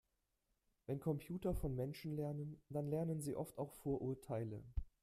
Wenn Computer von Menschen lernen, dann lernen sie oft auch Vorurteile.